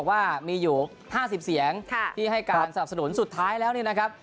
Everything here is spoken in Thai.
ว่ามีอยู่๕๐เสียงที่ให้การสนับสนุนสุดท้ายแล้วเนี่ยนะครับ